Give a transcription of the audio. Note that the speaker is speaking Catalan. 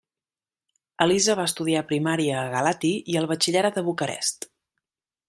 Elisa va estudiar primària a Galati i el batxillerat a Bucarest.